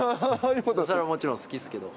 それはもちろん好きっすけど。